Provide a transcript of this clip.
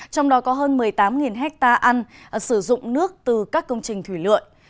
trong đó có hơn một mươi tám ha ăn sử dụng nước từ các công trình thủy lượn